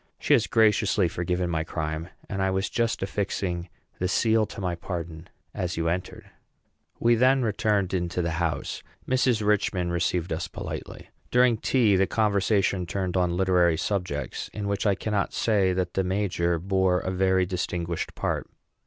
She has graciously forgiven my crime, and I was just affixing the seal to my pardon as you entered." We then returned into the house. Mrs. Richman received us politely. During tea, the conversation turned on literary subjects, in which I cannot say that the major bore a very distinguished part.